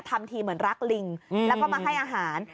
ทำทีเหมือนรักลิงแล้วก็มาให้อาหาร